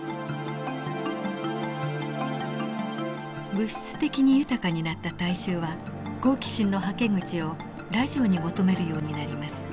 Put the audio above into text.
物質的に豊かになった大衆は好奇心のはけ口をラジオに求めるようになります。